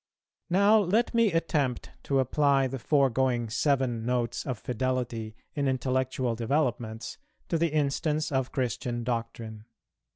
Now let me attempt to apply the foregoing seven Notes of fidelity in intellectual developments to the instance of Christian Doctrine.